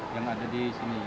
yang ada di sini